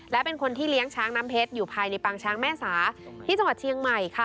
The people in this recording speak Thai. และเป็นคนที่เลี้ยงช้างน้ำเพชรอยู่ภายในปางช้างแม่สาที่จังหวัดเชียงใหม่ค่ะ